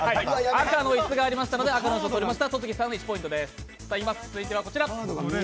赤の椅子がありましたので、赤の椅子を取りました。